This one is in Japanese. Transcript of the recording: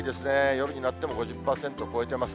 夜になっても５０％を超えてます。